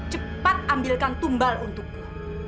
cepat ambilkan tumbal untukku